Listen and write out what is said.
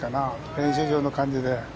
練習場の感じで。